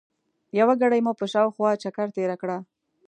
یوه ګړۍ مو په شاوخوا چکر تېره کړه.